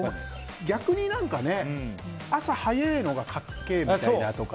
逆に、朝早いのが格好いいみたいな。